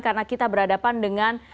karena kita berhadapan dengan